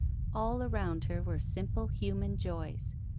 All around her were simple human joys.